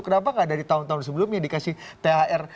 kenapa nggak dari tahun tahun sebelumnya dikasih thr